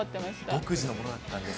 独自のものだったんですね。